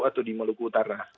atau di maluku utara